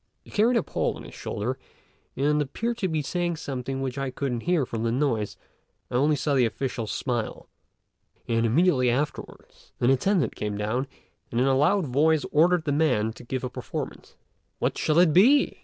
He carried a pole on his shoulder, and appeared to be saying something which I couldn't hear for the noise; I only saw the officials smile, and immediately afterwards an attendant came down, and in a loud voice ordered the man to give a performance. "What shall it be?"